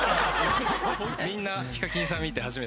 みんな。